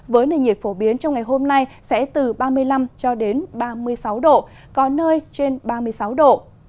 với nền nhiệt phổ biến trong ngày hôm nay sẽ từ ba mươi năm cho đến ba mươi sáu độ có nơi trên ba mươi sáu độ